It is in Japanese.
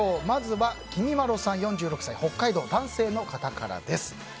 まずは、４６歳北海道の男性の方からです。